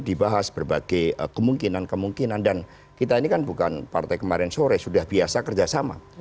dibahas berbagai kemungkinan kemungkinan dan kita ini kan bukan partai kemarin sore sudah biasa kerjasama